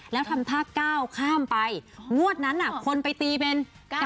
แล้วทำท่าก้าวข้ามไปงวดนั้นคนไปตีเป็น๙๙